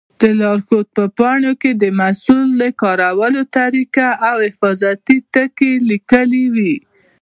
د لارښود په پاڼو کې د محصول کارولو طریقه او حفاظتي ټکي لیکلي وي.